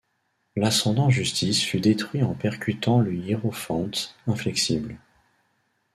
L'Ascendant Justice fut détruit en percutant le Hiérophante Inflexible.